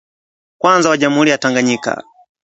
kwanza wa Jamhuri ya Tanganyika